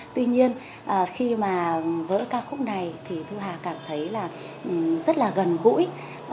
tuy nhiên khi mà vỡ ca khúc này thì thu hà cảm thấy là rất là gần gũi